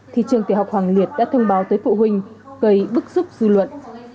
thì trường tiểu học hoàng liệt đã thông báo tới phụ huynh gây bức xúc dư luận